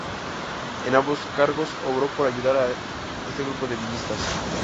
En ambos cargos obró por ayudar a este grupo de villistas.